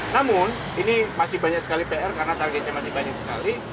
namun ini masih banyak sekali pr karena targetnya masih banyak sekali